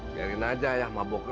biarin aja ayah mabuk lagi